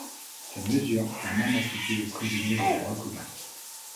Ces mesures furent même appliquées aux prisonniers de droit commun.